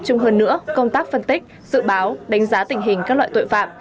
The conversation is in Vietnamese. chung hơn nữa công tác phân tích dự báo đánh giá tình hình các loại tội phạm